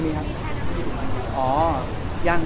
พี่นายอีก